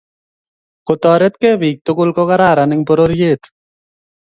kotoretkei bik tugul ko kararan eng pororiet